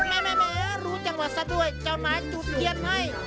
แม่รู้จังหวัดซะด้วยเจ้านายจุดเทียนให้